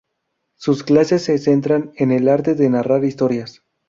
Sus clases se centran en el arte de narrar historias.